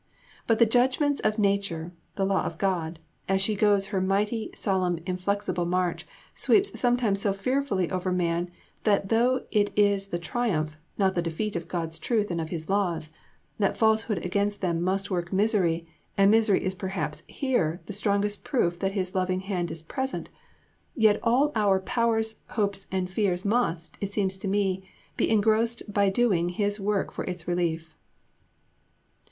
But the judgments of nature (the law of God), as she goes her mighty, solemn, inflexible march, sweeps sometimes so fearfully over man that though it is the triumph, not the defeat of God's truth and of His laws, that falsehood against them must work misery, and misery is perhaps here the strongest proof that His loving hand is present, yet all our powers, hopes, and fears must, it seems to me, be engrossed by doing His work for its relief.